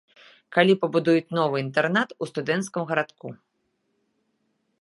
Калі пабудуюць новы інтэрнат у студэнцкай гарадку.